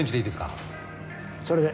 それで。